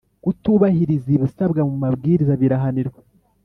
kutubahiriza ibisabwa mu mabwiriza birahanirwa